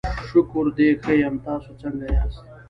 شکر دی، ښه یم، تاسو څنګه یاست؟